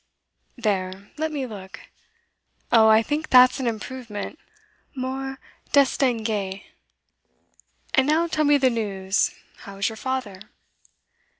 'There let me look. Oh, I think that's an improvement more distingue. And now tell me the news. How is your father?